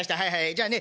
じゃあね